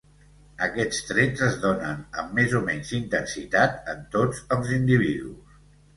Aquests trets es donen amb més o menys intensitat en tots els individus.